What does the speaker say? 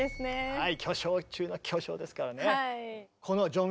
はい。